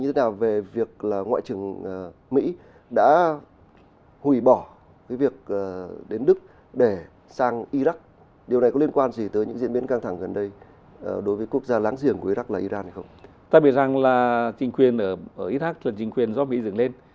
tại vì rằng là chính quyền ở iraq là chính quyền do mỹ dựng lên